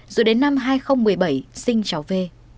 rồi đến năm hai nghìn một mươi bảy sinh cháu v